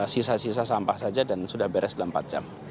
sisa sisa sampah saja dan sudah beres dalam empat jam